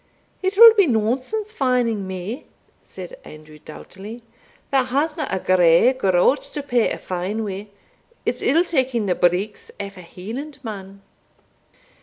"It will be nonsense fining me," said Andrew, doughtily, "that hasna a grey groat to pay a fine wi' it's ill taking the breeks aff a Hielandman."